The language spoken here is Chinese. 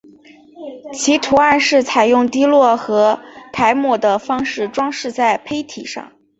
其图案是采用滴落和揩抹的方法装饰在坯体上。